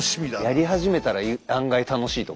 やり始めたら案外楽しいとか。